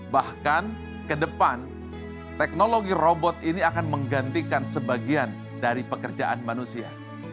bahkan ke depan teknologi robot ini akan menggantikan sebagian dari pekerjaan manusia